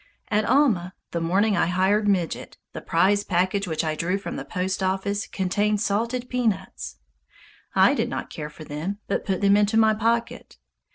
At Alma, the morning I hired Midget, the prize package which I drew from the post office contained salted peanuts. I did not care for them, but put them into my pocket.